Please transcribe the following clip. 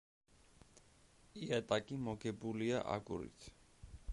იატაკი მოგებულია აგურით.